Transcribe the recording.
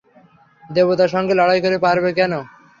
দেবতার সঙ্গে লড়াই করে পারবে কেন?